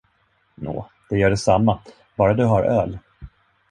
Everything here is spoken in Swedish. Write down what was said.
Nå, det gör detsamma, bara du har öl.